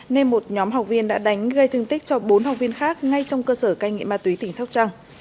nên một nhóm học viên đã đánh gây thương tích cho bốn học viên khác ngay trong cơ sở cai nghiện ma túy tỉnh sóc trăng